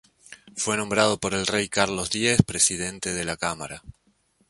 Fue nombrado por el rey Carlos X Presidente de la Cámara.